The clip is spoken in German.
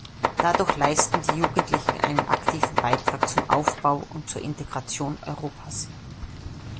Dadurch leisten die Jugendlichen einen aktiven Beitrag zum Aufbau und zur Integration Europas.